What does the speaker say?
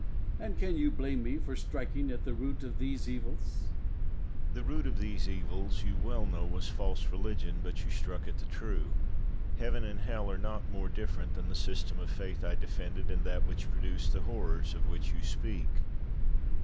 And can you blame me for striking at the root of these evils. Locke. The root of these evils, you well know, was false religion; but you struck at the true. Heaven and hell are not more different than the system of faith I defended and that which produced the horrors of which you speak.